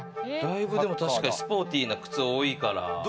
スポーティーな靴が多いから。